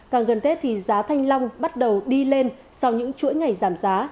càng gần tết thì giá thanh long bắt đầu đi lên sau những chuỗi ngày giảm giá